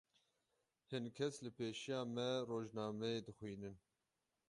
Hin kes li pêşiya me rojnameyê dixwînin.